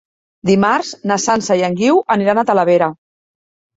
Dimarts na Sança i en Guiu aniran a Talavera.